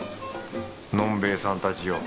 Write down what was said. のんべえさんたちよ。